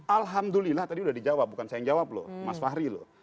alhamdulillah tadi sudah dijawab bukan saya yang jawab loh mas fahri loh